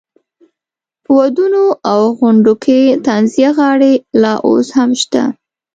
په ودونو او غونډو کې طنزیه غاړې لا اوس هم شته.